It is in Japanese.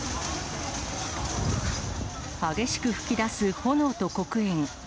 激しく噴き出す炎と黒煙。